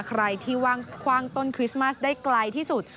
ใครที่คว่างต้นคริสต์มัสได้ไกลที่สุด